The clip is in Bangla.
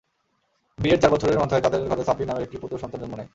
বিয়ের চার বছরের মাথায় তাঁদের ঘরে ছাব্বির নামের একটি পুত্রসন্তান জন্ম নেয়।